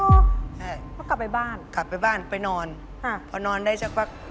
ใช่ครับชาวบ้านถามว่าเป็นอะไรอยู่ที่ไหนอย่างนี้ครับ